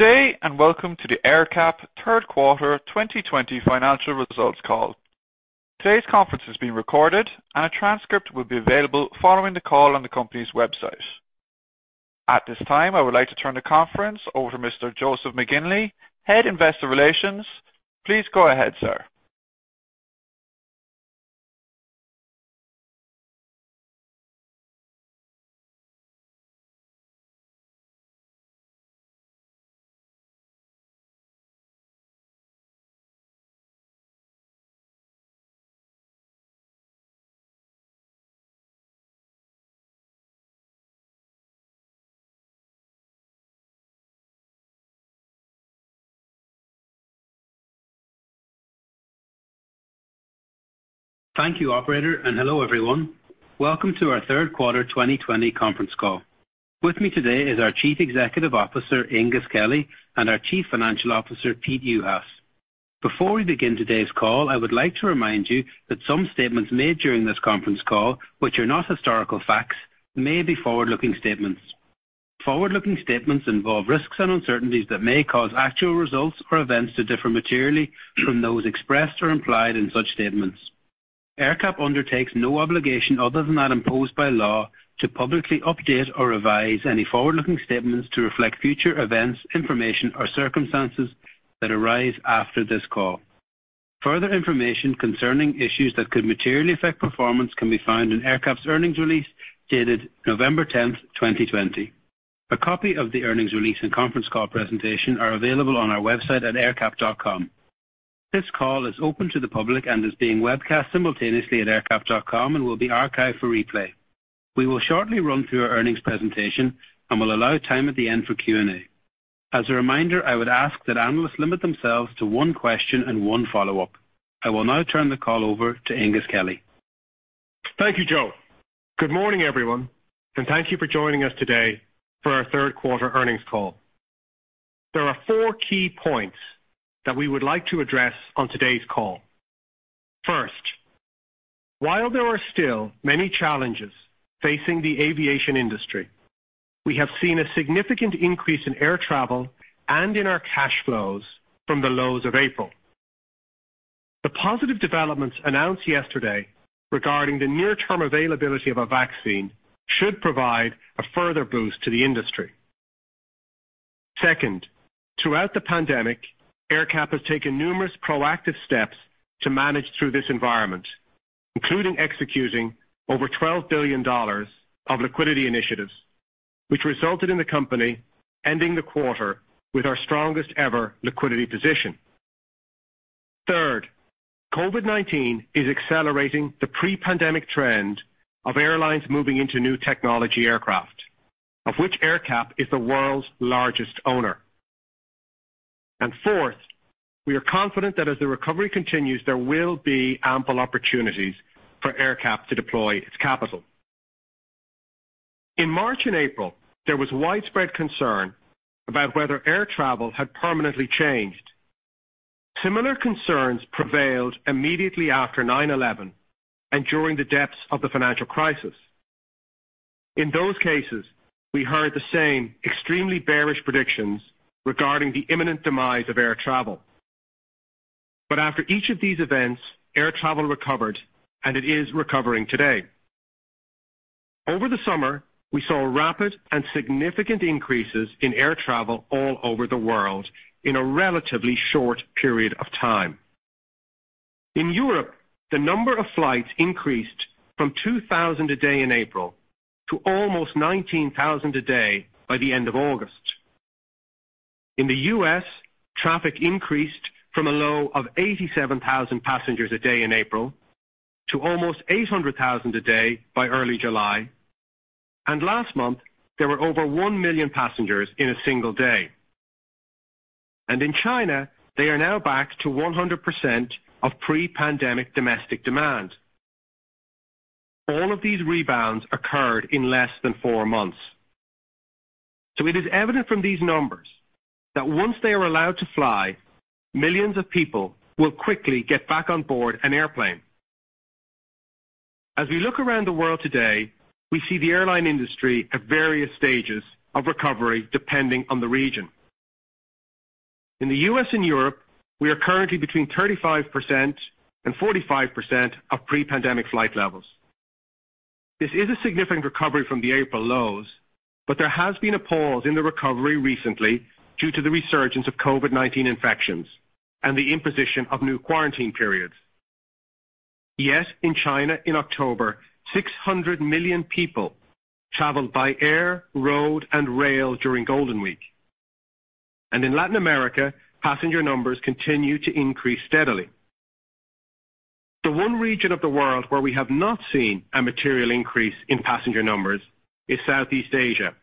Good day, and welcome to the AerCap third quarter 2020 financial results call. Today's conference is being recorded, and a transcript will be available following the call on the company's website. At this time, I would like to turn the conference over to Mr. Joseph McGinley, Head Investor Relations. Please go ahead, sir. Thank you, Operator, and hello everyone. Welcome to our third quarter 2020 conference call. With me today is our Chief Executive Officer, Aengus Kelly, and our Chief Financial Officer, Pete Juhas. Before we begin today's call, I would like to remind you that some statements made during this conference call, which are not historical facts, may be forward-looking statements. Forward-looking statements involve risks and uncertainties that may cause actual results or events to differ materially from those expressed or implied in such statements. AerCap undertakes no obligation other than that imposed by law to publicly update or revise any forward-looking statements to reflect future events, information, or circumstances that arise after this call. Further information concerning issues that could materially affect performance can be found in AerCap's earnings release dated November 10th, 2020. A copy of the earnings release and conference call presentation are available on our website at aercap.com. This call is open to the public and is being webcast simultaneously at aercap.com and will be archived for replay. We will shortly run through our earnings presentation and will allow time at the end for Q&A. As a reminder, I would ask that analysts limit themselves to one question and one follow-up. I will now turn the call over to Aengus Kelly. Thank you, Joe. Good morning, everyone, and thank you for joining us today for our third quarter earnings call. There are four key points that we would like to address on today's call. First, while there are still many challenges facing the aviation industry, we have seen a significant increase in air travel and in our cash flows from the lows of April. The positive developments announced yesterday regarding the near-term availability of a vaccine should provide a further boost to the industry. Second, throughout the pandemic, AerCap has taken numerous proactive steps to manage through this environment, including executing over $12 billion of liquidity initiatives, which resulted in the company ending the quarter with our strongest ever liquidity position. Third, COVID-19 is accelerating the pre-pandemic trend of airlines moving into new technology aircraft, of which AerCap is the world's largest owner. Fourth, we are confident that as the recovery continues, there will be ample opportunities for AerCap to deploy its capital. In March and April, there was widespread concern about whether air travel had permanently changed. Similar concerns prevailed immediately after 9/11 and during the depths of the financial crisis. In those cases, we heard the same extremely bearish predictions regarding the imminent demise of air travel. After each of these events, air travel recovered, and it is recovering today. Over the summer, we saw rapid and significant increases in air travel all over the world in a relatively short period of time. In Europe, the number of flights increased from 2,000 a day in April to almost 19,000 a day by the end of August. In the U.S., traffic increased from a low of 87,000 passengers a day in April to almost 800,000 a day by early July, and last month, there were over 1 million passengers in a single day. In China, they are now back to 100% of pre-pandemic domestic demand. All of these rebounds occurred in less than four months. It is evident from these numbers that once they are allowed to fly, millions of people will quickly get back on board an airplane. As we look around the world today, we see the airline industry at various stages of recovery depending on the region. In the U.S. and Europe, we are currently between 35% and 45% of pre-pandemic flight levels. This is a significant recovery from the April lows, but there has been a pause in the recovery recently due to the resurgence of COVID-19 infections and the imposition of new quarantine periods. Yet, in China, in October, 600 million people traveled by air, road, and rail during Golden Week. In Latin America, passenger numbers continue to increase steadily. The one region of the world where we have not seen a material increase in passenger numbers is Southeast Asia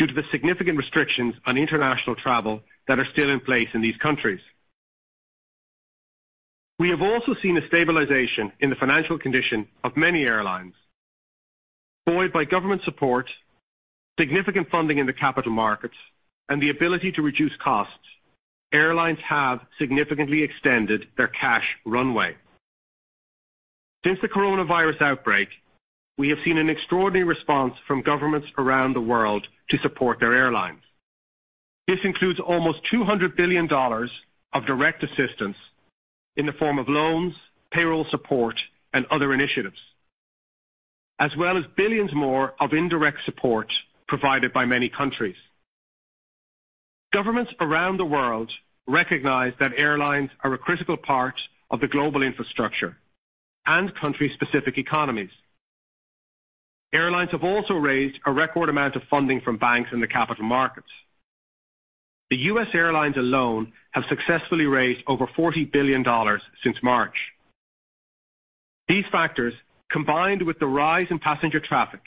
due to the significant restrictions on international travel that are still in place in these countries. We have also seen a stabilization in the financial condition of many airlines. Buoyed by government support, significant funding in the capital markets, and the ability to reduce costs, airlines have significantly extended their cash runway. Since the coronavirus outbreak, we have seen an extraordinary response from governments around the world to support their airlines. This includes almost $200 billion of direct assistance in the form of loans, payroll support, and other initiatives, as well as billions more of indirect support provided by many countries. Governments around the world recognize that airlines are a critical part of the global infrastructure and country-specific economies. Airlines have also raised a record amount of funding from banks in the capital markets. The U.S. airlines alone have successfully raised over $40 billion since March. These factors, combined with the rise in passenger traffic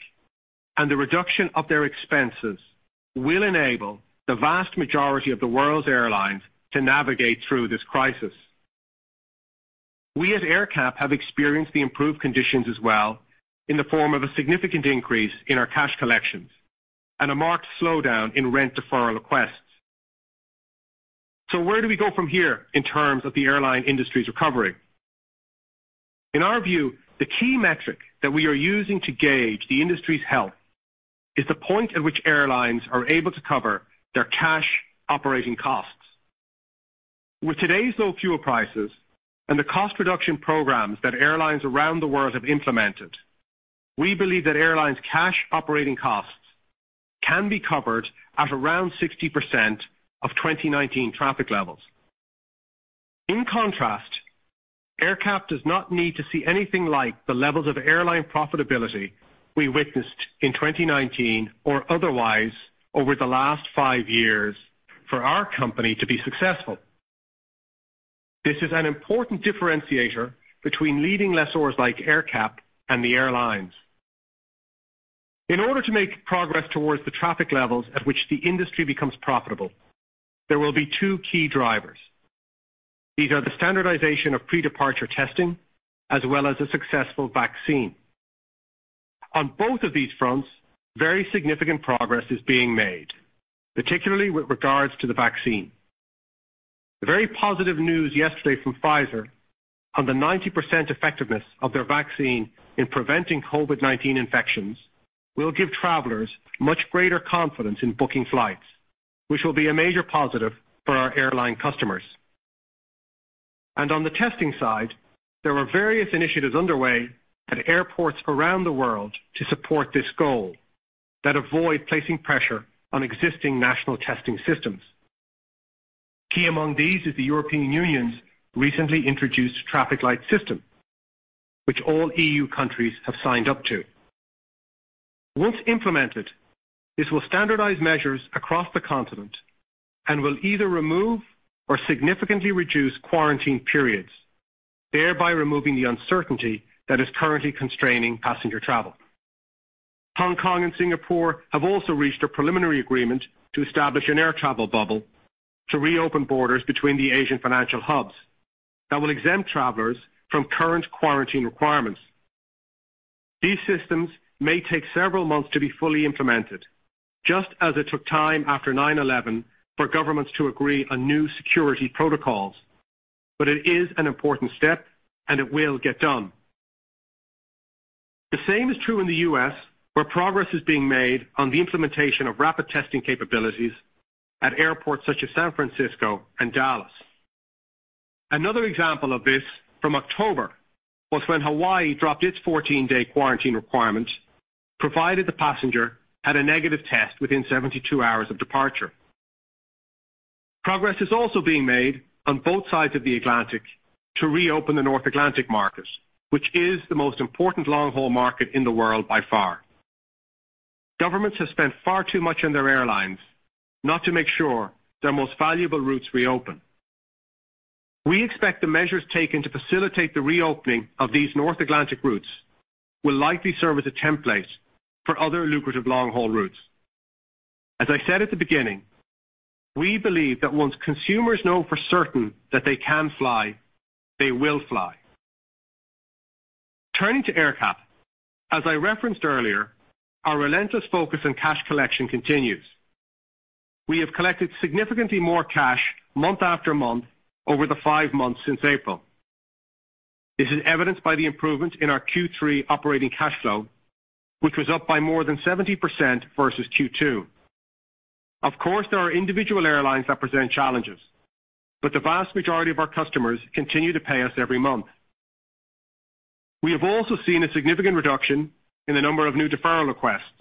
and the reduction of their expenses, will enable the vast majority of the world's airlines to navigate through this crisis. We at AerCap have experienced the improved conditions as well in the form of a significant increase in our cash collections and a marked slowdown in rent deferral requests. Where do we go from here in terms of the airline industry's recovery? In our view, the key metric that we are using to gauge the industry's health is the point at which airlines are able to cover their cash operating costs. With today's low fuel prices and the cost reduction programs that airlines around the world have implemented, we believe that airlines' cash operating costs can be covered at around 60% of 2019 traffic levels. In contrast, AerCap does not need to see anything like the levels of airline profitability we witnessed in 2019 or otherwise over the last five years for our company to be successful. This is an important differentiator between leading lessors like AerCap and the airlines. In order to make progress towards the traffic levels at which the industry becomes profitable, there will be two key drivers. These are the standardization of pre-departure testing as well as a successful vaccine. On both of these fronts, very significant progress is being made, particularly with regards to the vaccine. The very positive news yesterday from Pfizer on the 90% effectiveness of their vaccine in preventing COVID-19 infections will give travelers much greater confidence in booking flights, which will be a major positive for our airline customers. On the testing side, there are various initiatives underway at airports around the world to support this goal that avoid placing pressure on existing national testing systems. Key among these is the European Union's recently introduced traffic light system, which all EU countries have signed up to. Once implemented, this will standardize measures across the continent and will either remove or significantly reduce quarantine periods, thereby removing the uncertainty that is currently constraining passenger travel. Hong Kong and Singapore have also reached a preliminary agreement to establish an air travel bubble to reopen borders between the Asian financial hubs that will exempt travelers from current quarantine requirements. These systems may take several months to be fully implemented, just as it took time after 9/11 for governments to agree on new security protocols, but it is an important step, and it will get done. The same is true in the U.S., where progress is being made on the implementation of rapid testing capabilities at airports such as San Francisco and Dallas. Another example of this from October was when Hawaii dropped its 14-day quarantine requirement provided the passenger had a negative test within 72 hours of departure. Progress is also being made on both sides of the Atlantic to reopen the North Atlantic market, which is the most important long-haul market in the world by far. Governments have spent far too much on their airlines not to make sure their most valuable routes reopen. We expect the measures taken to facilitate the reopening of these North Atlantic routes will likely serve as a template for other lucrative long-haul routes. As I said at the beginning, we believe that once consumers know for certain that they can fly, they will fly. Turning to AerCap, as I referenced earlier, our relentless focus on cash collection continues. We have collected significantly more cash month after month over the five months since April. This is evidenced by the improvement in our Q3 operating cash flow, which was up by more than 70% versus Q2. Of course, there are individual airlines that present challenges, but the vast majority of our customers continue to pay us every month. We have also seen a significant reduction in the number of new deferral requests.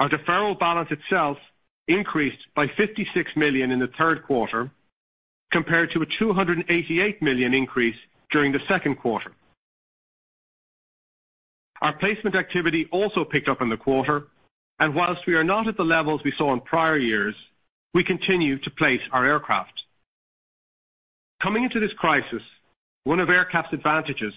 Our deferral balance itself increased by $56 million in the third quarter compared to a $288 million increase during the second quarter. Our placement activity also picked up in the quarter, and whilst we are not at the levels we saw in prior years, we continue to place our aircraft. Coming into this crisis, one of AerCap's advantages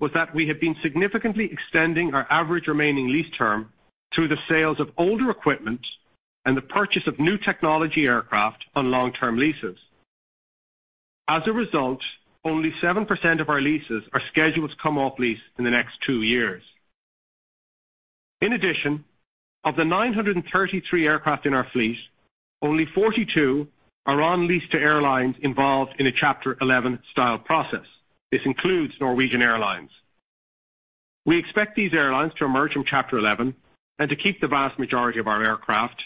was that we have been significantly extending our average remaining lease term through the sales of older equipment and the purchase of new technology aircraft on long-term leases. As a result, only 7% of our leases are scheduled to come off lease in the next two years. In addition, of the 933 aircraft in our fleet, only 42 are on lease to airlines involved in a Chapter 11 style process. This includes Norwegian Air Shuttle. We expect these airlines to emerge from Chapter 11 and to keep the vast majority of our aircraft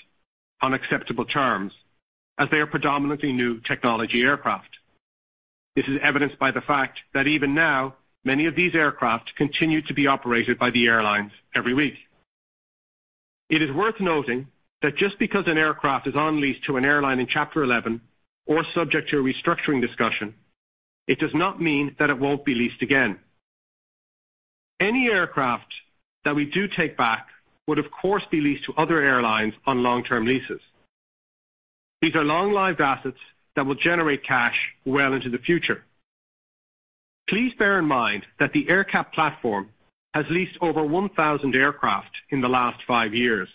on acceptable terms as they are predominantly new technology aircraft. This is evidenced by the fact that even now, many of these aircraft continue to be operated by the airlines every week. It is worth noting that just because an aircraft is on lease to an airline in Chapter 11 or subject to a restructuring discussion, it does not mean that it will not be leased again. Any aircraft that we do take back would, of course, be leased to other airlines on long-term leases. These are long-lived assets that will generate cash well into the future. Please bear in mind that the AerCap platform has leased over 1,000 aircraft in the last five years.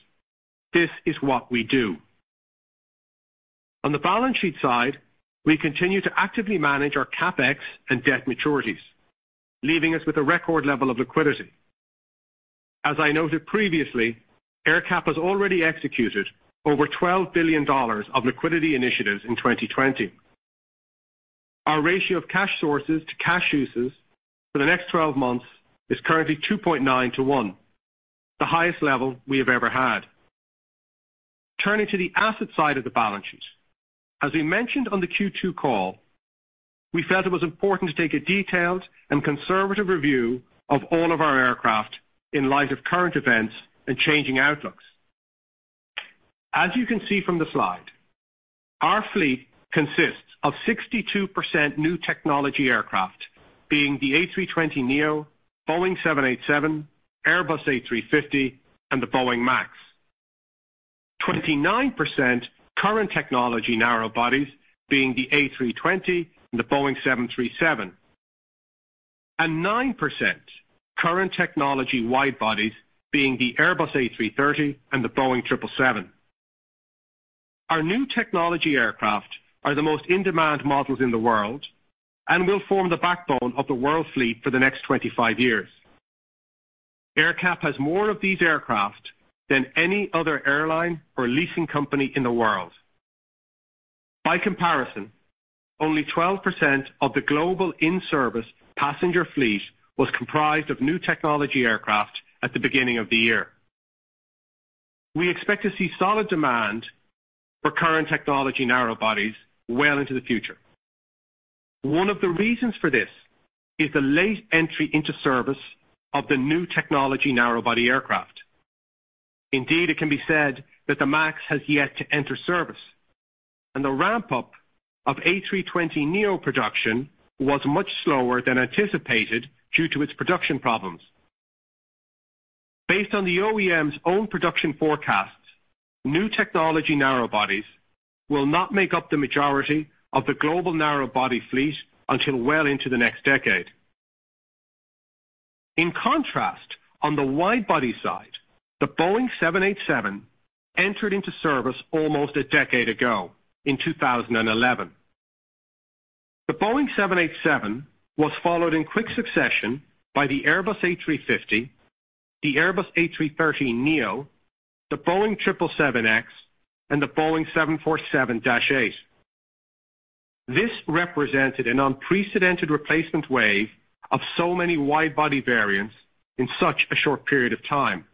This is what we do. On the balance sheet side, we continue to actively manage our CapEx and debt maturities, leaving us with a record level of liquidity. As I noted previously, AerCap has already executed over $12 billion of liquidity initiatives in 2020. Our ratio of cash sources to cash uses for the next 12 months is currently 2.9-1, the highest level we have ever had. Turning to the asset side of the balance sheet, as we mentioned on the Q2 call, we felt it was important to take a detailed and conservative review of all of our aircraft in light of current events and changing outlooks. As you can see from the slide, our fleet consists of 62% new technology aircraft being the A320neo, Boeing 787, Airbus A350, and the Boeing MAX, 29% current technology narrow bodies being the A320 and the Boeing 737, and 9% current technology wide bodies being the Airbus A330 and the Boeing 777. Our new technology aircraft are the most in-demand models in the world and will form the backbone of the world fleet for the next 25 years. AerCap has more of these aircraft than any other airline or leasing company in the world. By comparison, only 12% of the global in-service passenger fleet was comprised of new technology aircraft at the beginning of the year. We expect to see solid demand for current technology narrow bodies well into the future. One of the reasons for this is the late entry into service of the new technology narrow body aircraft. Indeed, it can be said that the MAX has yet to enter service, and the ramp-up of A320neo production was much slower than anticipated due to its production problems. Based on the OEM's own production forecasts, new technology narrow bodies will not make up the majority of the global narrow body fleet until well into the next decade. In contrast, on the wide body side, the Boeing 787 entered into service almost a decade ago in 2011. The Boeing 787 was followed in quick succession by the Airbus A350, the Airbus A330neo, the Boeing 777X, and the Boeing 747-8. This represented an unprecedented replacement wave of so many wide body variants in such a short period of time.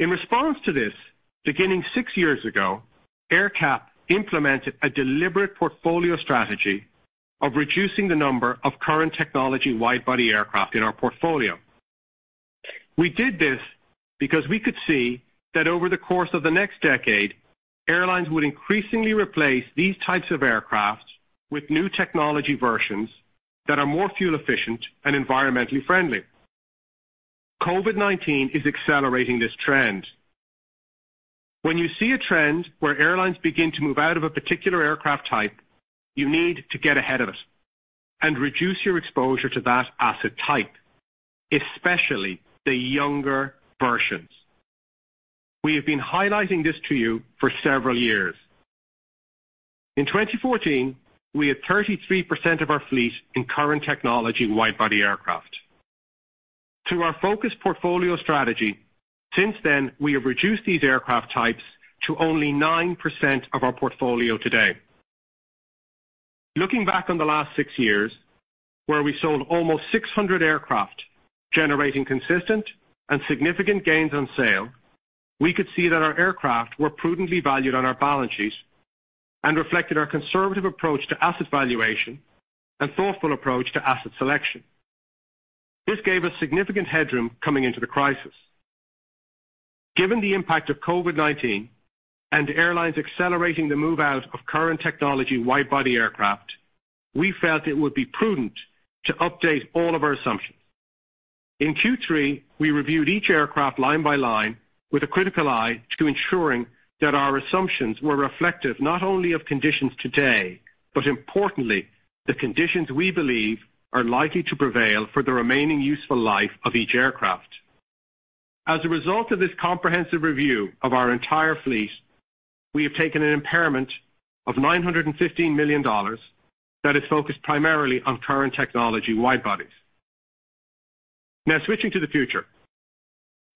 In response to this, beginning six years ago, AerCap implemented a deliberate portfolio strategy of reducing the number of current technology wide body aircraft in our portfolio. We did this because we could see that over the course of the next decade, airlines would increasingly replace these types of aircraft with new technology versions that are more fuel efficient and environmentally friendly. COVID-19 is accelerating this trend. When you see a trend where airlines begin to move out of a particular aircraft type, you need to get ahead of it and reduce your exposure to that asset type, especially the younger versions. We have been highlighting this to you for several years. In 2014, we had 33% of our fleet in current technology wide body aircraft. Through our focused portfolio strategy, since then, we have reduced these aircraft types to only 9% of our portfolio today. Looking back on the last six years, where we sold almost 600 aircraft generating consistent and significant gains on sale, we could see that our aircraft were prudently valued on our balance sheets and reflected our conservative approach to asset valuation and thoughtful approach to asset selection. This gave us significant headroom coming into the crisis. Given the impact of COVID-19 and airlines accelerating the move out of current technology wide body aircraft, we felt it would be prudent to update all of our assumptions. In Q3, we reviewed each aircraft line by line with a critical eye to ensuring that our assumptions were reflective not only of conditions today, but importantly, the conditions we believe are likely to prevail for the remaining useful life of each aircraft. As a result of this comprehensive review of our entire fleet, we have taken an impairment of $915 million that is focused primarily on current technology wide bodies. Now, switching to the future,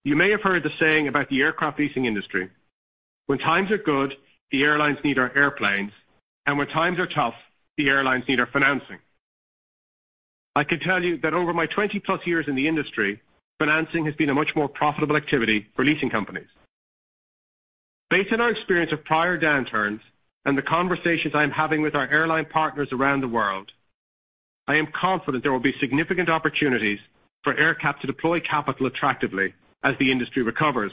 you may have heard the saying about the aircraft leasing industry. When times are good, the airlines need our airplanes, and when times are tough, the airlines need our financing. I can tell you that over my 20-plus years in the industry, financing has been a much more profitable activity for leasing companies. Based on our experience of prior downturns and the conversations I am having with our airline partners around the world, I am confident there will be significant opportunities for AerCap to deploy capital attractively as the industry recovers.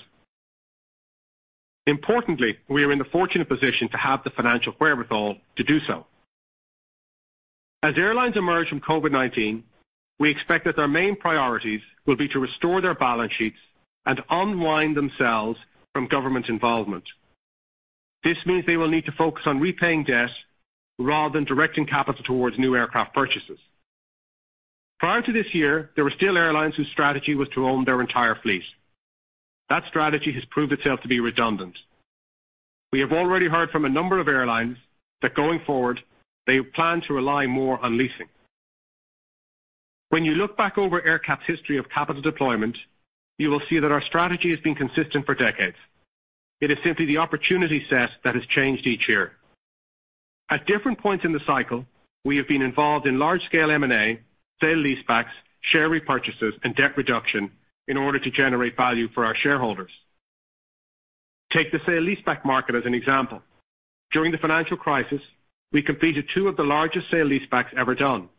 Importantly, we are in the fortunate position to have the financial wherewithal to do so. As airlines emerge from COVID-19, we expect that their main priorities will be to restore their balance sheets and unwind themselves from government involvement. This means they will need to focus on repaying debt rather than directing capital towards new aircraft purchases. Prior to this year, there were still airlines whose strategy was to own their entire fleet. That strategy has proved itself to be redundant. We have already heard from a number of airlines that going forward, they plan to rely more on leasing. When you look back over AerCap's history of capital deployment, you will see that our strategy has been consistent for decades. It is simply the opportunity set that has changed each year. At different points in the cycle, we have been involved in large-scale M&A, sale lease-backs, share repurchases, and debt reduction in order to generate value for our shareholders. Take the sale lease-back market as an example. During the financial crisis, we completed two of the largest sale lease-backs ever done.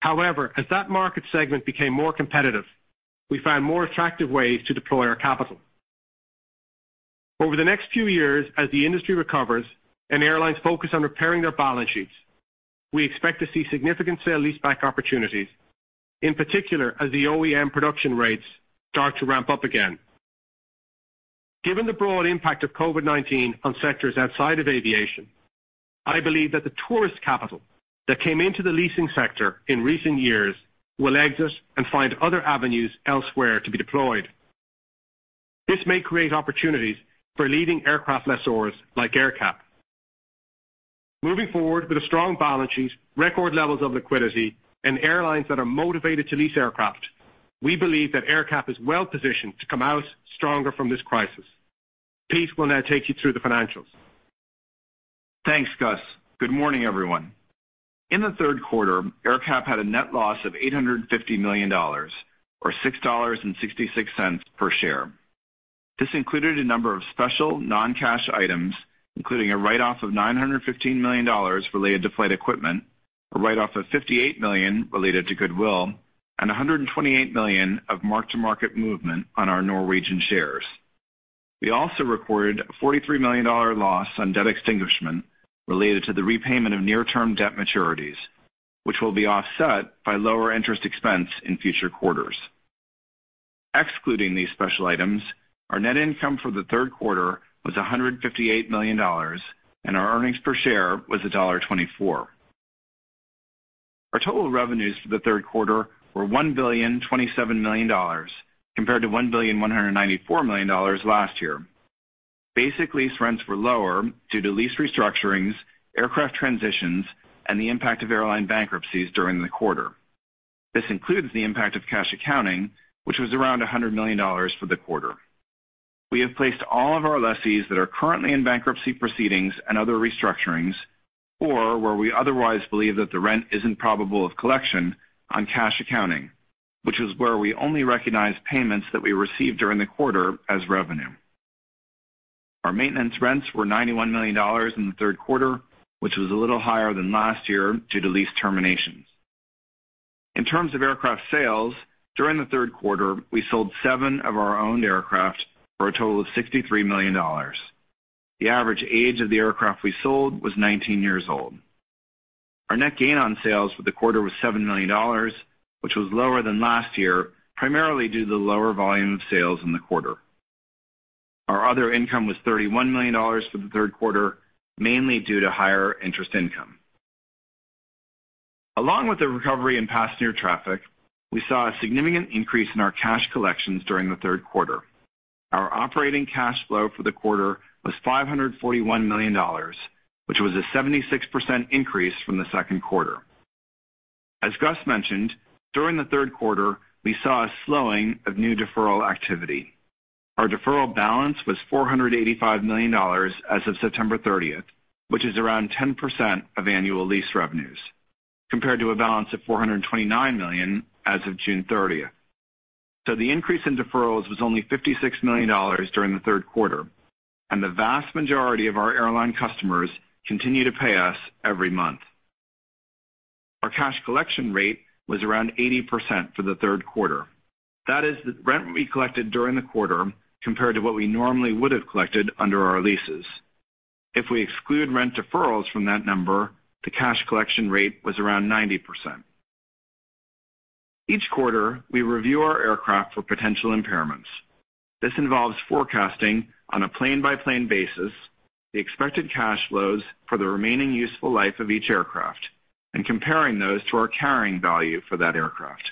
However, as that market segment became more competitive, we found more attractive ways to deploy our capital. Over the next few years, as the industry recovers and airlines focus on repairing their balance sheets, we expect to see significant sale lease-back opportunities, in particular as the OEM production rates start to ramp up again. Given the broad impact of COVID-19 on sectors outside of aviation, I believe that the tourist capital that came into the leasing sector in recent years will exit and find other avenues elsewhere to be deployed. This may create opportunities for leading aircraft lessors like AerCap. Moving forward with a strong balance sheet, record levels of liquidity, and airlines that are motivated to lease aircraft, we believe that AerCap is well positioned to come out stronger from this crisis. Pete will now take you through the financials. Thanks, Gus. Good morning, everyone. In the third quarter, AerCap had a net loss of $850 million or $6.66 per share. This included a number of special non-cash items, including a write-off of $915 million related to flight equipment, a write-off of $58 million related to goodwill, and $128 million of mark-to-market movement on our Norwegian shares. We also recorded a $43 million loss on debt extinguishment related to the repayment of near-term debt maturities, which will be offset by lower interest expense in future quarters. Excluding these special items, our net income for the third quarter was $158 million, and our earnings per share was $1.24. Our total revenues for the third quarter were $1,027 million compared to $1,194 million last year. Basic lease rents were lower due to lease restructurings, aircraft transitions, and the impact of airline bankruptcies during the quarter. This includes the impact of cash accounting, which was around $100 million for the quarter. We have placed all of our lessees that are currently in bankruptcy proceedings and other restructurings or where we otherwise believe that the rent isn't probable of collection on cash accounting, which is where we only recognize payments that we received during the quarter as revenue. Our maintenance rents were $91 million in the third quarter, which was a little higher than last year due to lease terminations. In terms of aircraft sales, during the third quarter, we sold seven of our owned aircraft for a total of $63 million. The average age of the aircraft we sold was 19 years old. Our net gain on sales for the quarter was $7 million, which was lower than last year primarily due to the lower volume of sales in the quarter. Our other income was $31 million for the third quarter, mainly due to higher interest income. Along with the recovery in passenger traffic, we saw a significant increase in our cash collections during the third quarter. Our operating cash flow for the quarter was $541 million, which was a 76% increase from the second quarter. As Gus mentioned, during the third quarter, we saw a slowing of new deferral activity. Our deferral balance was $485 million as of September 30, which is around 10% of annual lease revenues compared to a balance of $429 million as of June 30. The increase in deferrals was only $56 million during the third quarter, and the vast majority of our airline customers continue to pay us every month. Our cash collection rate was around 80% for the third quarter. That is the rent we collected during the quarter compared to what we normally would have collected under our leases. If we exclude rent deferrals from that number, the cash collection rate was around 90%. Each quarter, we review our aircraft for potential impairments. This involves forecasting on a plane-by-plane basis the expected cash flows for the remaining useful life of each aircraft and comparing those to our carrying value for that aircraft.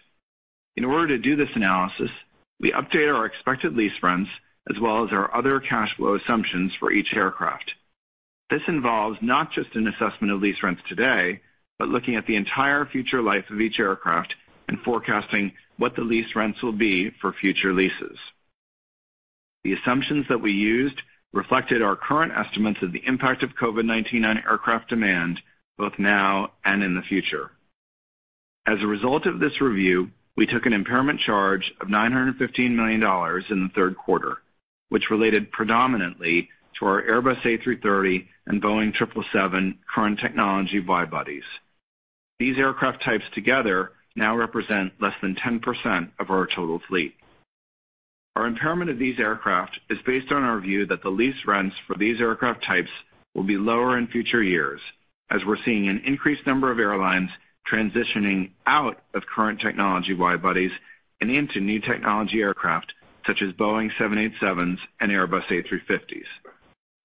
In order to do this analysis, we update our expected lease rents as well as our other cash flow assumptions for each aircraft. This involves not just an assessment of lease rents today, but looking at the entire future life of each aircraft and forecasting what the lease rents will be for future leases. The assumptions that we used reflected our current estimates of the impact of COVID-19 on aircraft demand both now and in the future. As a result of this review, we took an impairment charge of $915 million in the third quarter, which related predominantly to our Airbus A330 and Boeing 777 current technology wide bodies. These aircraft types together now represent less than 10% of our total fleet. Our impairment of these aircraft is based on our view that the lease rents for these aircraft types will be lower in future years as we're seeing an increased number of airlines transitioning out of current technology wide bodies and into new technology aircraft such as Boeing 787s and Airbus A350s.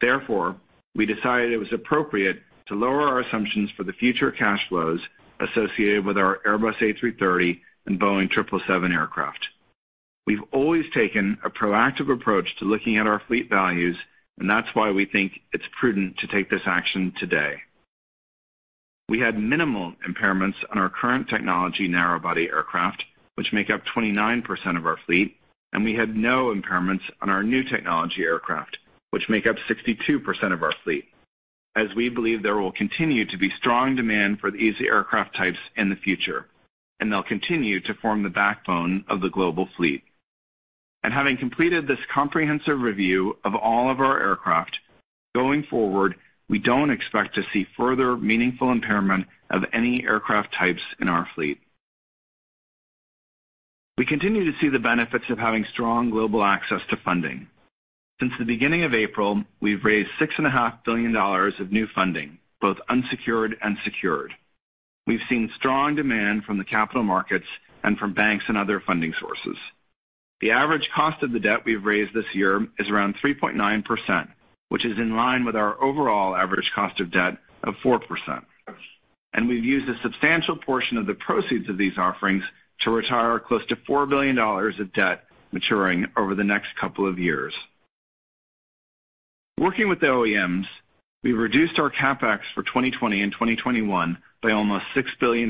Therefore, we decided it was appropriate to lower our assumptions for the future cash flows associated with our Airbus A330 and Boeing 777 aircraft. We've always taken a proactive approach to looking at our fleet values, and that's why we think it's prudent to take this action today. We had minimal impairments on our current technology narrow-body aircraft, which make up 29% of our fleet, and we had no impairments on our new technology aircraft, which make up 62% of our fleet. As we believe there will continue to be strong demand for these aircraft types in the future, and they'll continue to form the backbone of the global fleet. Having completed this comprehensive review of all of our aircraft, going forward, we don't expect to see further meaningful impairment of any aircraft types in our fleet. We continue to see the benefits of having strong global access to funding. Since the beginning of April, we've raised $6.5 billion of new funding, both unsecured and secured. We've seen strong demand from the capital markets and from banks and other funding sources. The average cost of the debt we've raised this year is around 3.9%, which is in line with our overall average cost of debt of 4%. We've used a substantial portion of the proceeds of these offerings to retire close to $4 billion of debt maturing over the next couple of years. Working with the OEMs, we've reduced our CapEx for 2020 and 2021 by almost $6 billion,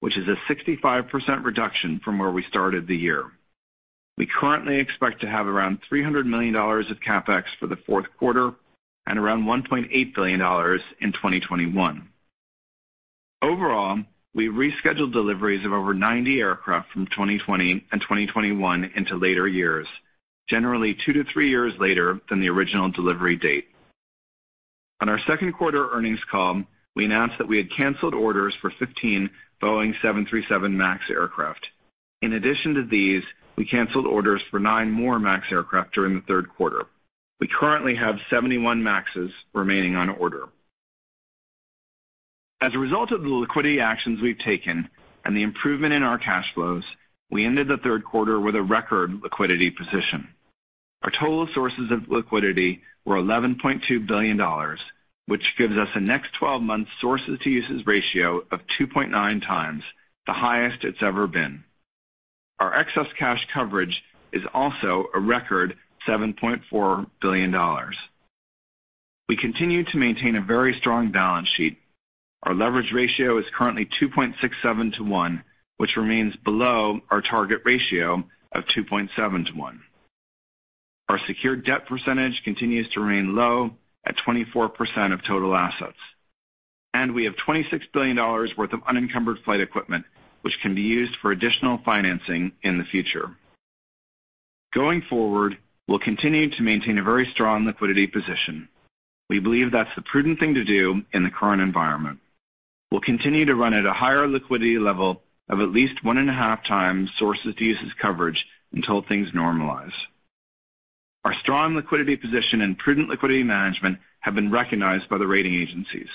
which is a 65% reduction from where we started the year. We currently expect to have around $300 million of CapEx for the fourth quarter and around $1.8 billion in 2021. Overall, we've rescheduled deliveries of over 90 aircraft from 2020 and 2021 into later years, generally two to three years later than the original delivery date. On our second quarter earnings call, we announced that we had canceled orders for 15 Boeing 737 MAX aircraft. In addition to these, we canceled orders for nine more MAX aircraft during the third quarter. We currently have 71 MAXs remaining on order. As a result of the liquidity actions we've taken and the improvement in our cash flows, we ended the third quarter with a record liquidity position. Our total sources of liquidity were $11.2 billion, which gives us a next 12-month sources-to-uses ratio of 2.9 times, the highest it's ever been. Our excess cash coverage is also a record $7.4 billion. We continue to maintain a very strong balance sheet. Our leverage ratio is currently 2.67 to 1, which remains below our target ratio of 2.7 to 1. Our secured debt percentage continues to remain low at 24% of total assets. We have $26 billion worth of unencumbered flight equipment, which can be used for additional financing in the future. Going forward, we'll continue to maintain a very strong liquidity position. We believe that's the prudent thing to do in the current environment. We'll continue to run at a higher liquidity level of at least one and a half times sources-to-uses coverage until things normalize. Our strong liquidity position and prudent liquidity management have been recognized by the rating agencies.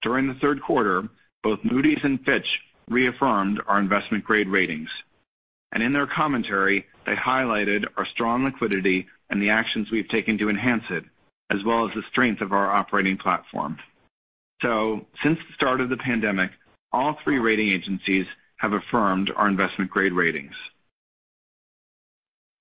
During the third quarter, both Moody's and Fitch reaffirmed our investment-grade ratings. In their commentary, they highlighted our strong liquidity and the actions we've taken to enhance it, as well as the strength of our operating platform. Since the start of the pandemic, all three rating agencies have affirmed our investment-grade ratings.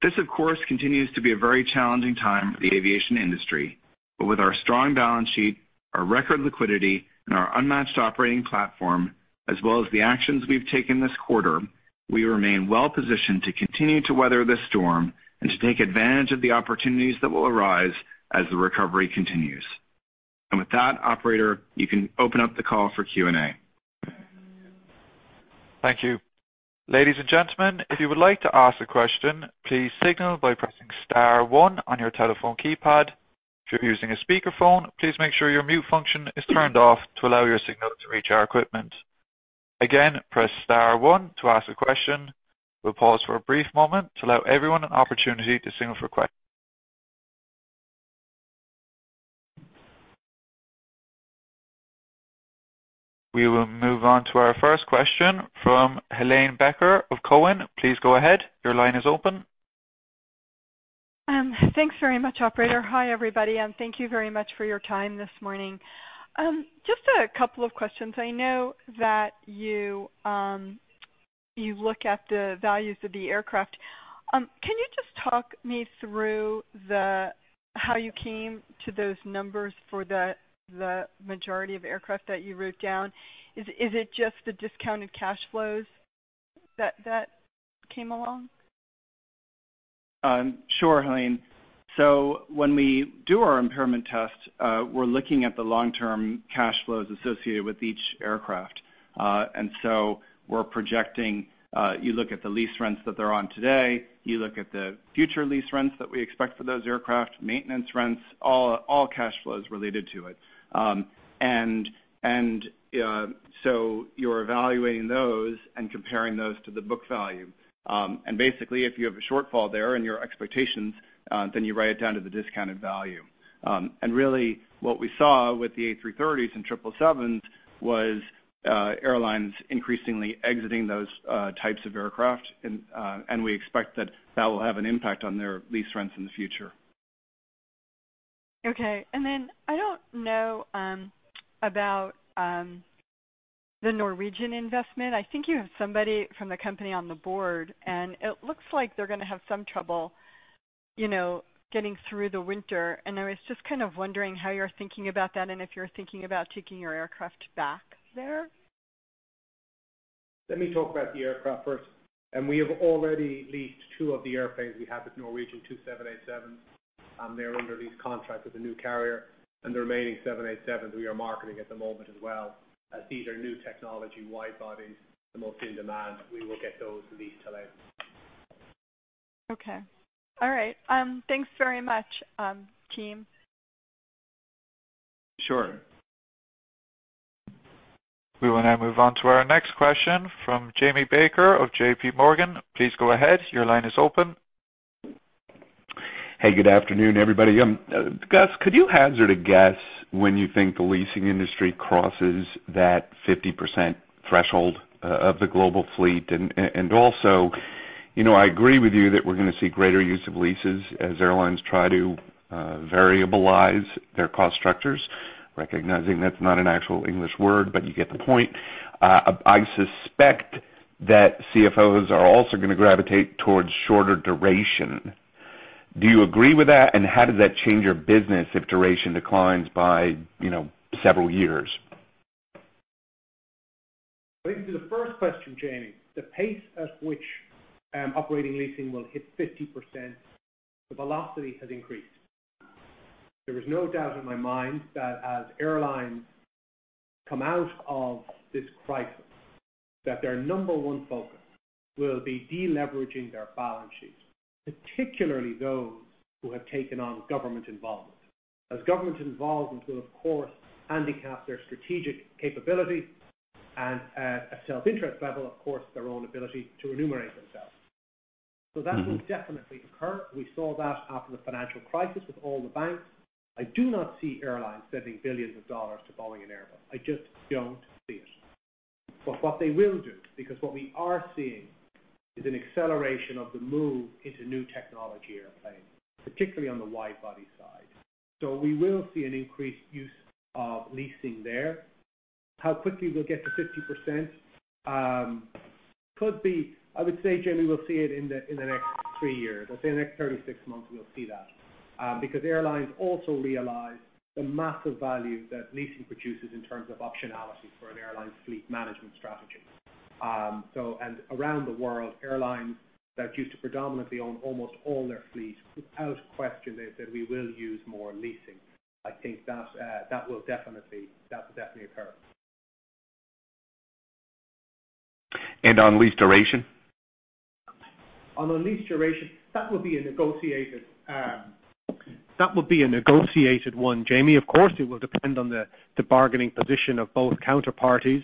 This, of course, continues to be a very challenging time for the aviation industry. With our strong balance sheet, our record liquidity, and our unmatched operating platform, as well as the actions we've taken this quarter, we remain well positioned to continue to weather this storm and to take advantage of the opportunities that will arise as the recovery continues. With that, Operator, you can open up the call for Q&A. Thank you. Ladies and gentlemen, if you would like to ask a question, please signal by pressing Star 1 on your telephone keypad. If you're using a speakerphone, please make sure your mute function is turned off to allow your signal to reach our equipment. Again, press Star 1 to ask a question. We'll pause for a brief moment to allow everyone an opportunity to signal for questions. We will move on to our first question from Helane Becker of Cowen. Please go ahead. Your line is open. Thanks very much, Operator. Hi, everybody, and thank you very much for your time this morning. Just a couple of questions. I know that you look at the values of the aircraft. Can you just talk me through how you came to those numbers for the majority of aircraft that you wrote down? Is it just the discounted cash flows that came along? Sure, Helene. When we do our impairment test, we're looking at the long-term cash flows associated with each aircraft. We're projecting you look at the lease rents that they're on today, you look at the future lease rents that we expect for those aircraft, maintenance rents, all cash flows related to it. You're evaluating those and comparing those to the book value. Basically, if you have a shortfall there in your expectations, then you write it down to the discounted value. What we saw with the A330s and 777s was airlines increasingly exiting those types of aircraft, and we expect that that will have an impact on their lease rents in the future. Okay. I don't know about the Norwegian investment. I think you have somebody from the company on the board, and it looks like they're going to have some trouble getting through the winter. I was just kind of wondering how you're thinking about that and if you're thinking about taking your aircraft back there. Let me talk about the aircraft first. We have already leased two of the airplanes we have with Norwegian, two 787s. They're under lease contract with a new carrier. The remaining 787s, we are marketing at the moment as well. As these are new technology wide bodies, the most in demand, we will get those leased out. Okay. All right. Thanks very much, team. Sure. We want to move on to our next question from Jamie Baker of JPMorgan. Please go ahead. Your line is open. Hey, good afternoon, everybody. Gus, could you hazard a guess when you think the leasing industry crosses that 50% threshold of the global fleet? I agree with you that we're going to see greater use of leases as airlines try to variabilize their cost structures, recognizing that's not an actual English word, but you get the point. I suspect that CFOs are also going to gravitate towards shorter duration. Do you agree with that? How does that change your business if duration declines by several years? I think the first question, Jamie, the pace at which operating leasing will hit 50%, the velocity has increased. There is no doubt in my mind that as airlines come out of this crisis, their number one focus will be deleveraging their balance sheets, particularly those who have taken on government involvement. Government involvement will, of course, handicap their strategic capability and, at a self-interest level, of course, their own ability to remunerate themselves. That will definitely occur. We saw that after the financial crisis with all the banks. I do not see airlines spending billions of dollars to Boeing and Airbus. I just do not see it. What they will do, because what we are seeing is an acceleration of the move into new technology airplanes, particularly on the wide-body side. We will see an increased use of leasing there. How quickly we will get to 50% could be, I would say, Jamie, we will see it in the next three years. I would say in the next 36 months, we will see that. Airlines also realize the massive value that leasing produces in terms of optionality for an airline's fleet management strategy. Around the world, airlines that used to predominantly own almost all their fleets, without question, they said, "We will use more leasing." I think that will definitely occur. On lease duration? On lease duration, that will be a negotiated one, Jamie. Of course, it will depend on the bargaining position of both counterparties.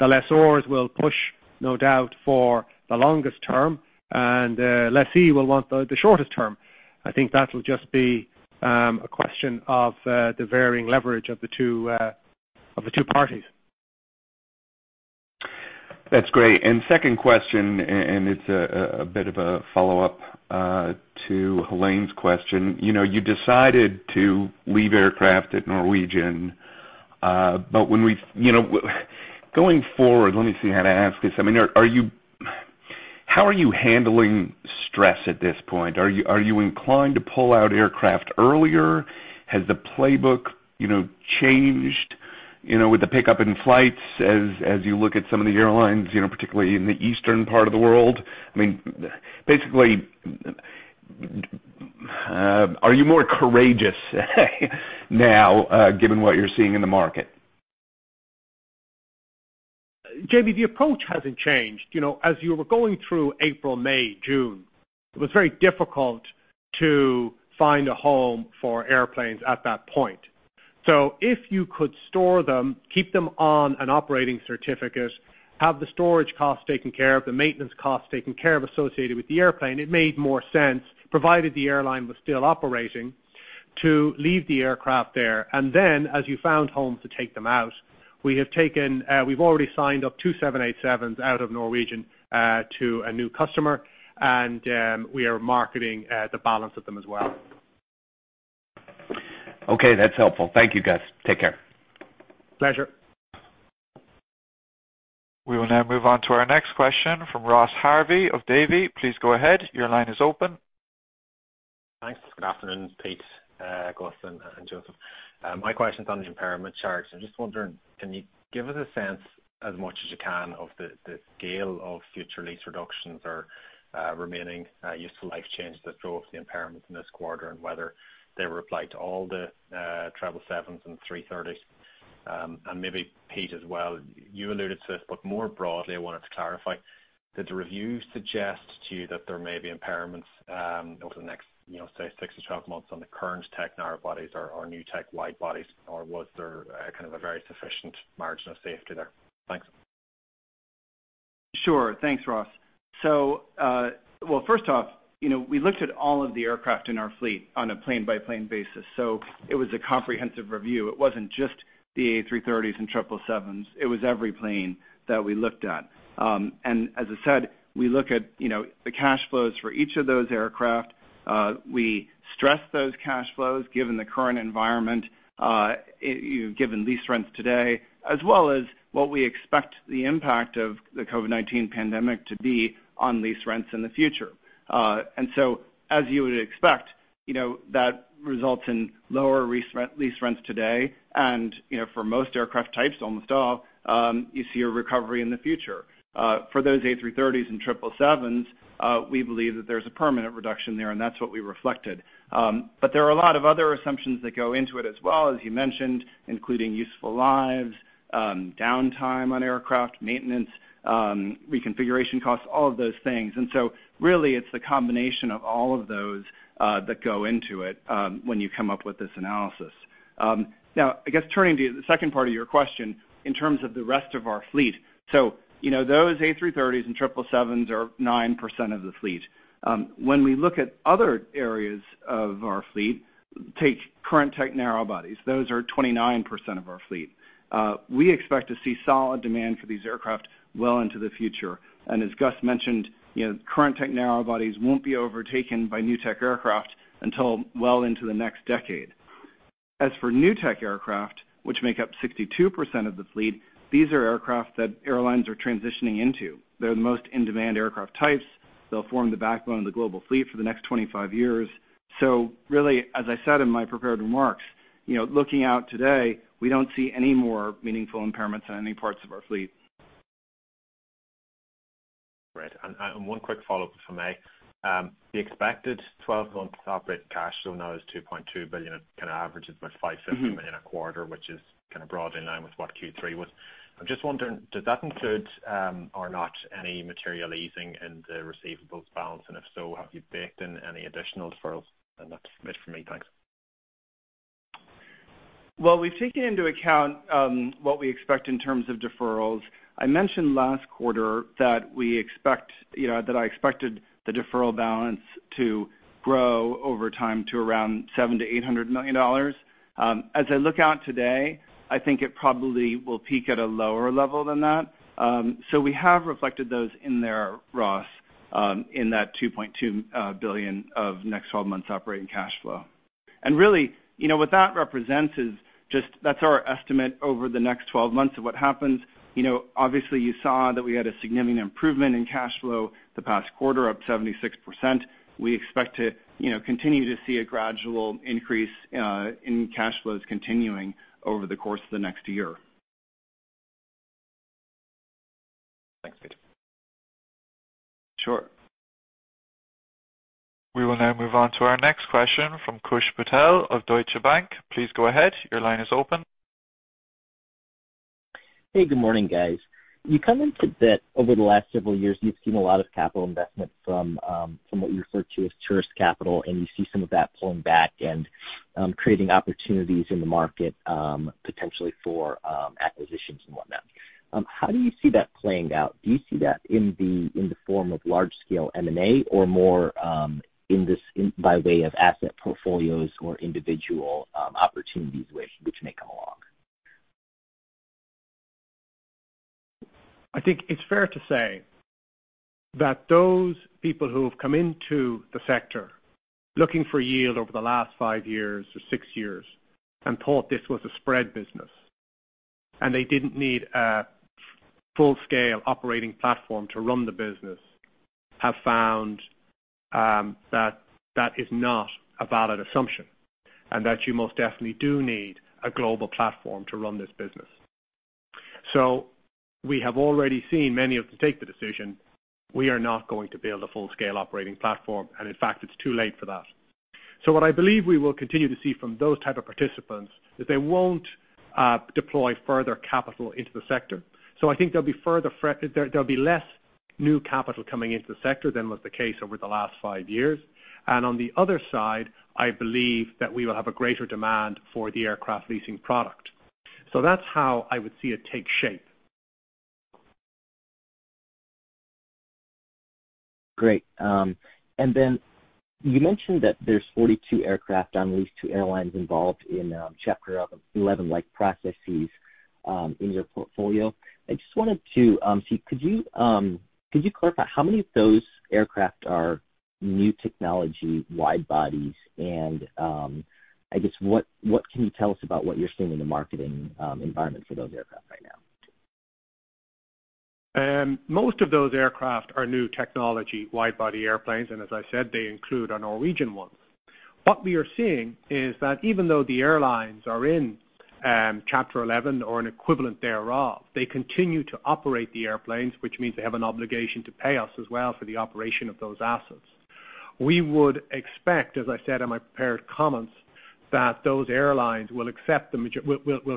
The lessors will push, no doubt, for the longest term, and the lessees will want the shortest term. I think that will just be a question of the varying leverage of the two parties. That's great. Second question, and it's a bit of a follow-up to Helene's question. You decided to leave aircraft at Norwegian, but when we go forward, let me see how to ask this. I mean, how are you handling stress at this point? Are you inclined to pull out aircraft earlier? Has the playbook changed with the pickup in flights as you look at some of the airlines, particularly in the eastern part of the world? I mean, basically, are you more courageous now given what you're seeing in the market? Jamie, the approach hasn't changed. As you were going through April, May, June, it was very difficult to find a home for airplanes at that point. If you could store them, keep them on an operating certificate, have the storage costs taken care of, the maintenance costs taken care of associated with the airplane, it made more sense, provided the airline was still operating, to leave the aircraft there. As you found homes to take them out, we have taken, we've already signed up two 787s out of Norwegian to a new customer, and we are marketing the balance of them as well. Okay, that's helpful. Thank you, guys. Take care. Pleasure. We will now move on to our next question from Ross Harvey of Davy. Please go ahead. Your line is open. Thanks. Good afternoon, Pete, Gus, and Joseph. My question's on the impairment charge. I'm just wondering, can you give us a sense, as much as you can, of the scale of future lease reductions or remaining useful life changes that drove the impairment in this quarter and whether they were applied to all the 777s and 330s? Maybe, Pete, as well, you alluded to this, but more broadly, I wanted to clarify. Did the review suggest to you that there may be impairments over the next 6 to 12 months on the current tech narrow-bodies or new tech wide-bodies? Or was there kind of a very sufficient margin of safety there? Thanks. Sure. Thanks, Ross. First off, we looked at all of the aircraft in our fleet on a plane-by-plane basis. It was a comprehensive review. It wasn't just the A330s and 777s. It was every plane that we looked at. As I said, we look at the cash flows for each of those aircraft. We stress those cash flows given the current environment, given lease rents today, as well as what we expect the impact of the COVID-19 pandemic to be on lease rents in the future. As you would expect, that results in lower lease rents today. For most aircraft types, almost all, you see a recovery in the future. For those A330s and 777s, we believe that there's a permanent reduction there, and that's what we reflected. There are a lot of other assumptions that go into it as well, as you mentioned, including useful lives, downtime on aircraft, maintenance, reconfiguration costs, all of those things. Really, it's the combination of all of those that go into it when you come up with this analysis. I guess turning to the second part of your question, in terms of the rest of our fleet, those A330s and 777s are 9% of the fleet. When we look at other areas of our fleet, take current tech narrow-bodies. Those are 29% of our fleet. We expect to see solid demand for these aircraft well into the future. As Gus mentioned, current tech narrow-bodies will not be overtaken by new tech aircraft until well into the next decade. As for new tech aircraft, which make up 62% of the fleet, these are aircraft that airlines are transitioning into. They are the most in-demand aircraft types. They will form the backbone of the global fleet for the next 25 years. Really, as I said in my prepared remarks, looking out today, we do not see any more meaningful impairments on any parts of our fleet. Right. One quick follow-up for me. The expected 12-month operating cash flow now is $2.2 billion, and it kind of averages about $550 million a quarter, which is kind of broad in line with what Q3 was. I am just wondering, does that include or not any material easing in the receivables balance? If so, have you baked in any additional deferrals? That is it for me. Thanks. We have taken into account what we expect in terms of deferrals. I mentioned last quarter that I expected the deferral balance to grow over time to around $700 million-$800 million. As I look out today, I think it probably will peak at a lower level than that. We have reflected those in there, Ross, in that $2.2 billion of next 12 months operating cash flow. What that represents is just that's our estimate over the next 12 months of what happens. Obviously, you saw that we had a significant improvement in cash flow the past quarter of 76%. We expect to continue to see a gradual increase in cash flows continuing over the course of the next year. Thanks, Pete. Sure. We will now move on to our next question from Koosh Patel of Deutsche Bank. Please go ahead. Your line is open. Hey, good morning, guys. You commented that over the last several years, you've seen a lot of capital investment from what you refer to as tourist capital, and you see some of that pulling back and creating opportunities in the market, potentially for acquisitions and whatnot. How do you see that playing out? Do you see that in the form of large-scale M&A or more by way of asset portfolios or individual opportunities which may come along? I think it's fair to say that those people who have come into the sector looking for yield over the last five years or six years and thought this was a spread business and they didn't need a full-scale operating platform to run the business have found that that is not a valid assumption and that you most definitely do need a global platform to run this business. We have already seen many of them take the decision, "We are not going to build a full-scale operating platform," and in fact, it's too late for that. What I believe we will continue to see from those type of participants is they won't deploy further capital into the sector. I think there'll be less new capital coming into the sector than was the case over the last five years. On the other side, I believe that we will have a greater demand for the aircraft leasing product. That's how I would see it take shape. Great. You mentioned that there's 42 aircraft on lease to airlines involved in Chapter 11-like processes in your portfolio. I just wanted to see, could you clarify how many of those aircraft are new technology wide bodies? I guess, what can you tell us about what you're seeing in the marketing environment for those aircraft right now? Most of those aircraft are new technology wide body airplanes. As I said, they include our Norwegian ones. What we are seeing is that even though the airlines are in Chapter 11 or an equivalent thereof, they continue to operate the airplanes, which means they have an obligation to pay us as well for the operation of those assets. We would expect, as I said in my prepared comments, that those airlines will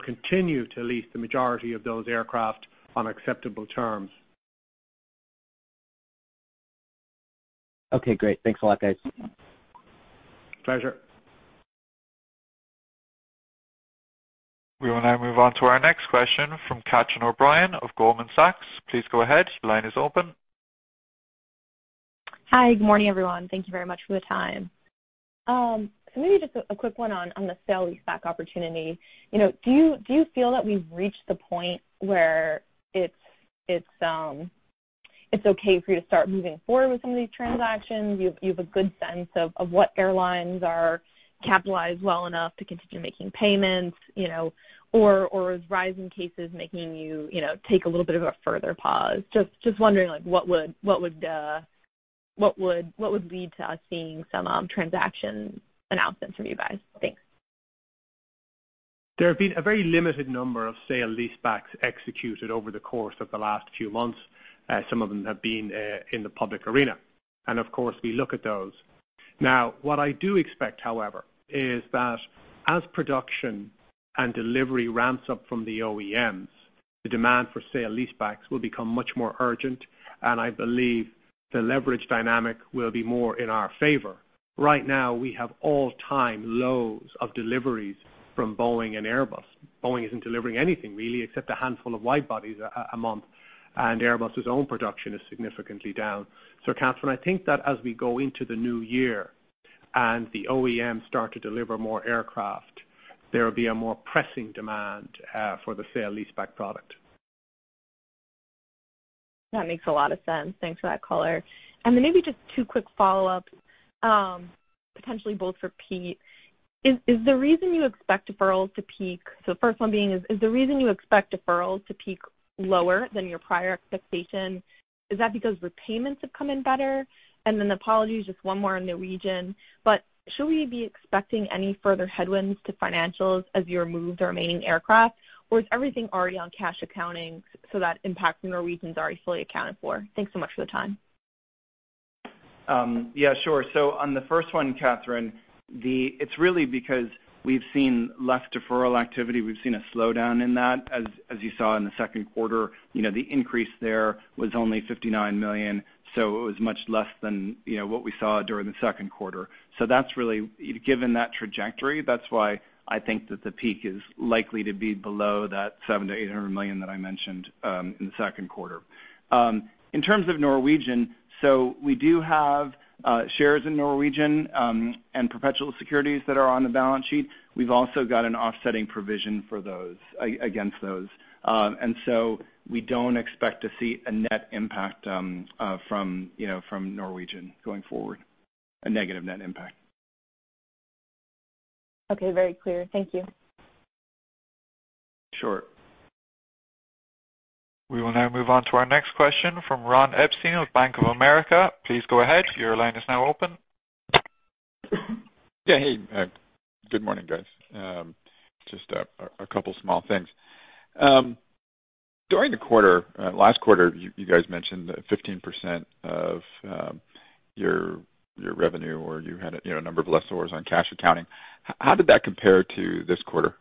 continue to lease the majority of those aircraft on acceptable terms. Okay, great. Thanks a lot, guys. Pleasure. We will now move on to our next question from Catherine O'Brien of Goldman Sachs. Please go ahead. Your line is open. Hi. Good morning, everyone. Thank you very much for the time. Maybe just a quick one on the sale lease-back opportunity. Do you feel that we've reached the point where it's okay for you to start moving forward with some of these transactions? You have a good sense of what airlines are capitalized well enough to continue making payments, or is rising cases making you take a little bit of a further pause? Just wondering what would lead to us seeing some transaction announcements from you guys. Thanks. There have been a very limited number of sale lease backs executed over the course of the last few months. Some of them have been in the public arena. Of course, we look at those. Now, what I do expect, however, is that as production and delivery ramps up from the OEMs, the demand for sale lease backs will become much more urgent. I believe the leverage dynamic will be more in our favor. Right now, we have all-time lows of deliveries from Boeing and Airbus. Boeing isn't delivering anything, really, except a handful of wide bodies a month. And Airbus' own production is significantly down. Catherine, I think that as we go into the new year and the OEMs start to deliver more aircraft, there will be a more pressing demand for the sale lease back product. That makes a lot of sense. Thanks for that color. Maybe just two quick follow-ups, potentially both for Pete. Is the reason you expect deferrals to peak, so the first one being, is the reason you expect deferrals to peak lower than your prior expectation, is that because repayments have come in better? Apologies, just one more on Norwegian. Should we be expecting any further headwinds to financials as you remove the remaining aircraft, or is everything already on cash accounting so that impact Norwegian is already fully accounted for? Thanks so much for the time. Yeah, sure. On the first one, Catherine, it's really because we've seen less deferral activity. We've seen a slowdown in that. As you saw in the second quarter, the increase there was only $59 million. It was much less than what we saw during the second quarter. Given that trajectory, that's why I think that the peak is likely to be below that $700-$800 million that I mentioned in the second quarter. In terms of Norwegian, we do have shares in Norwegian and perpetual securities that are on the balance sheet. We've also got an offsetting provision for those against those. We do not expect to see a net impact from Norwegian going forward, a negative net impact. Okay, very clear. Thank you. Sure. We will now move on to our next question from Ron Epstein of Bank of America. Please go ahead. Your line is now open. Yeah, hey. Good morning, guys. Just a couple of small things. During the quarter, last quarter, you guys mentioned 15% of your revenue, or you had a number of lessors on cash accounting. How did that compare to this quarter?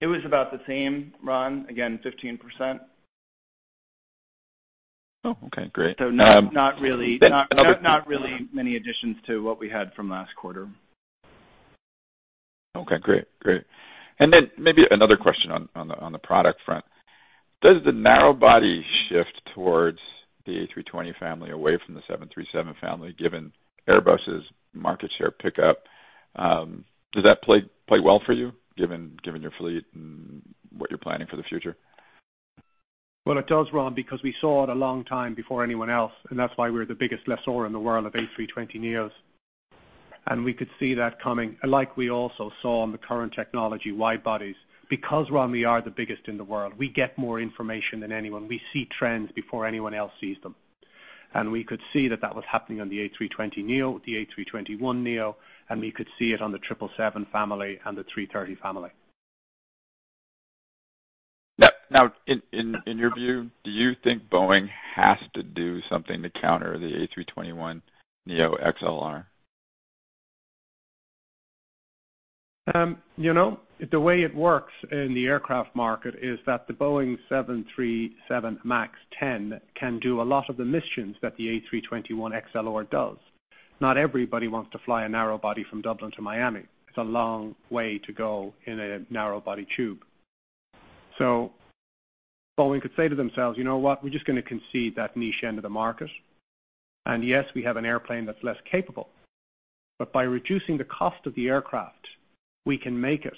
It was about the same, Ron. Again, 15%. Oh, okay. Great. So not really many additions to what we had from last quarter. Okay, great. Great. And then maybe another question on the product front. Does the narrow body shift towards the A320 family away from the 737 family, given Airbus' market share pickup? Does that play well for you, given your fleet and what you're planning for the future? It does, Ron, because we saw it a long time before anyone else. That's why we're the biggest lessor in the world of A320neos. We could see that coming, like we also saw on the current technology wide bodies. Ron, we are the biggest in the world, we get more information than anyone. We see trends before anyone else sees them. We could see that that was happening on the A320neo, the A321neo, and we could see it on the 777 family and the 330 family. Now, in your view, do you think Boeing has to do something to counter the A321neo XLR? The way it works in the aircraft market is that the Boeing 737 MAX 10 can do a lot of the missions that the A321 XLR does. Not everybody wants to fly a narrow body from Dublin to Miami. It's a long way to go in a narrow body tube. Boeing could say to themselves, "You know what? We're just going to concede that niche end of the market." Yes, we have an airplane that's less capable. By reducing the cost of the aircraft, we can make it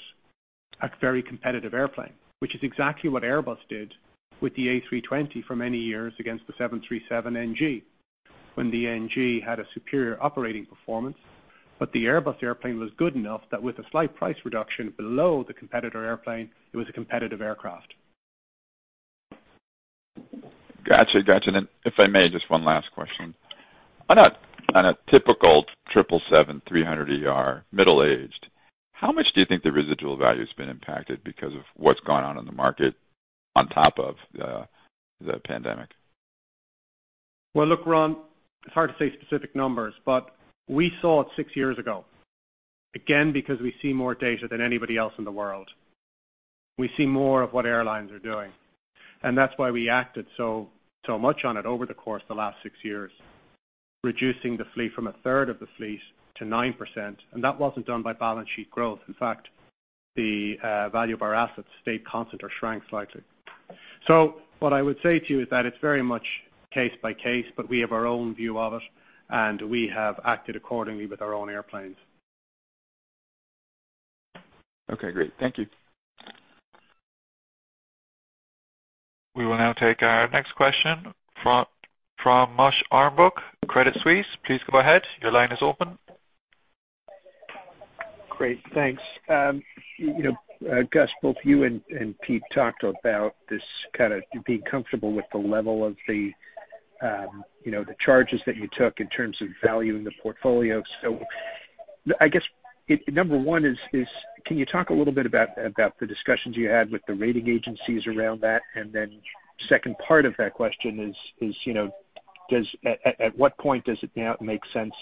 a very competitive airplane, which is exactly what Airbus did with the A320 for many years against the 737 NG, when the NG had a superior operating performance. The Airbus airplane was good enough that with a slight price reduction below the competitor airplane, it was a competitive aircraft. Gotcha. Gotcha. If I may, just one last question. On a typical 777-300ER, middle-aged, how much do you think the residual value has been impacted because of what's gone on in the market on top of the pandemic? Ron, it's hard to say specific numbers, but we saw it six years ago. Again, because we see more data than anybody else in the world. We see more of what airlines are doing. That is why we acted so much on it over the course of the last six years, reducing the fleet from a third of the fleet to 9%. That was not done by balance sheet growth. In fact, the value of our assets stayed constant or shrank slightly. What I would say to you is that it's very much case by case, but we have our own view of it, and we have acted accordingly with our own airplanes. Okay, great. Thank you. We will now take our next question from Moshe Orenbuch, Credit Suisse. Please go ahead. Your line is open. Great. Thanks. Gus, both you and Pete talked about this kind of being comfortable with the level of the charges that you took in terms of valuing the portfolio. I guess number one is, can you talk a little bit about the discussions you had with the rating agencies around that? The second part of that question is, at what point does it now make sense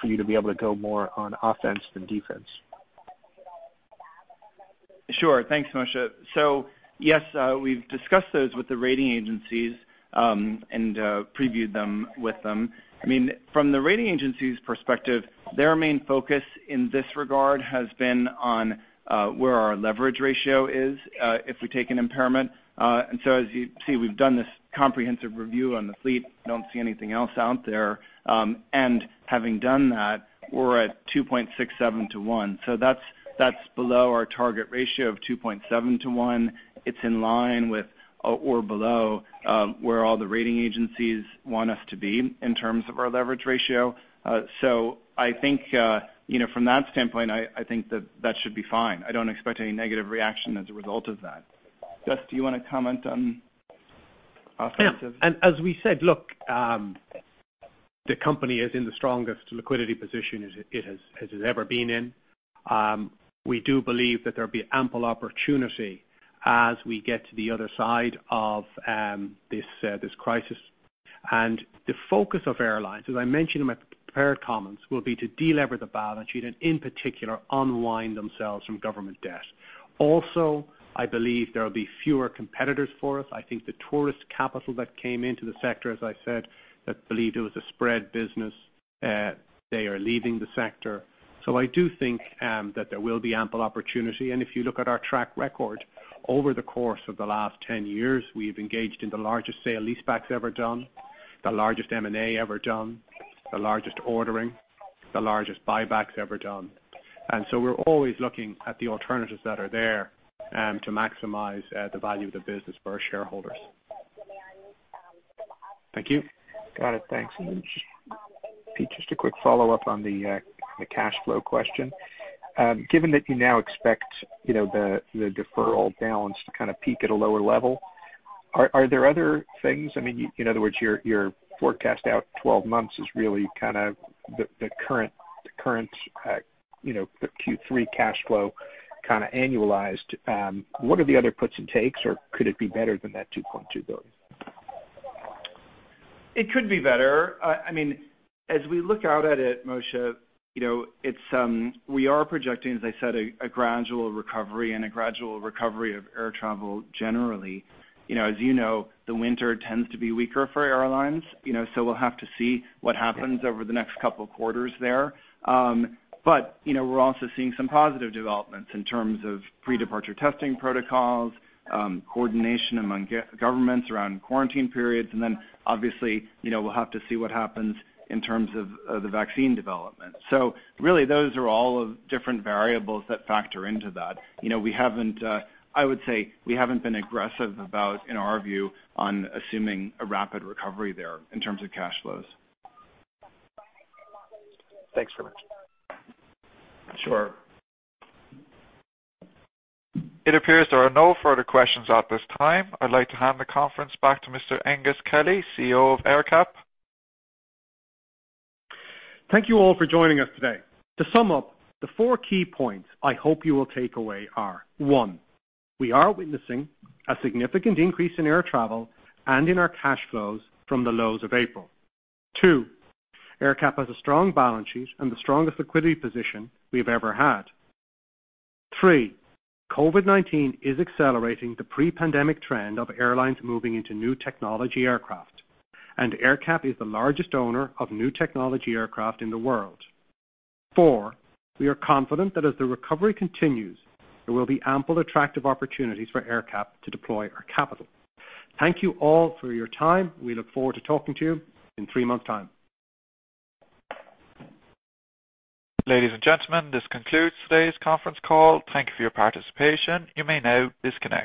for you to be able to go more on offense than defense? Sure. Thanks, Moshe. Yes, we've discussed those with the rating agencies and previewed them with them. I mean, from the rating agencies' perspective, their main focus in this regard has been on where our leverage ratio is if we take an impairment. As you see, we've done this comprehensive review on the fleet. Don't see anything else out there. Having done that, we're at 2.67 to 1. That's below our target ratio of 2.7 to 1. It's in line with or below where all the rating agencies want us to be in terms of our leverage ratio. I think from that standpoint, I think that should be fine. I don't expect any negative reaction as a result of that. Gus, do you want to comment on offensive? As we said, the company is in the strongest liquidity position it has ever been in. We do believe that there will be ample opportunity as we get to the other side of this crisis. The focus of airlines, as I mentioned in my prepared comments, will be to deleverage the balance sheet and, in particular, unwind themselves from government debt. Also, I believe there will be fewer competitors for us. I think the tourist capital that came into the sector, as I said, that believed it was a spread business, they are leaving the sector. I do think that there will be ample opportunity. If you look at our track record, over the course of the last 10 years, we have engaged in the largest sale lease backs ever done, the largest M&A ever done, the largest ordering, the largest buybacks ever done. We are always looking at the alternatives that are there to maximize the value of the business for our shareholders. Thank you. Got it. Thanks. Pete, just a quick follow-up on the cash flow question. Given that you now expect the deferral balance to kind of peak at a lower level, are there other things? I mean, in other words, your forecast out 12 months is really kind of the current Q3 cash flow kind of annualized. What are the other puts and takes, or could it be better than that $2.2 billion? It could be better. I mean, as we look out at it, Moshe, we are projecting, as I said, a gradual recovery and a gradual recovery of air travel generally. As you know, the winter tends to be weaker for airlines. We will have to see what happens over the next couple of quarters there. We are also seeing some positive developments in terms of pre-departure testing protocols, coordination among governments around quarantine periods. Obviously, we will have to see what happens in terms of the vaccine development. Those are all different variables that factor into that. I would say we have not been aggressive about, in our view, assuming a rapid recovery there in terms of cash flows. Thanks very much. Sure. It appears there are no further questions at this time. I would like to hand the conference back to Mr. Aengus Kelly, CEO of AerCap. Thank you all for joining us today. To sum up, the four key points I hope you will take away are: one, we are witnessing a significant increase in air travel and in our cash flows from the lows of April. Two, AerCap has a strong balance sheet and the strongest liquidity position we've ever had. Three, COVID-19 is accelerating the pre-pandemic trend of airlines moving into new technology aircraft, and AerCap is the largest owner of new technology aircraft in the world. Four, we are confident that as the recovery continues, there will be ample attractive opportunities for AerCap to deploy our capital. Thank you all for your time. We look forward to talking to you in three months' time. Ladies and gentlemen, this concludes today's conference call. Thank you for your participation. You may now disconnect.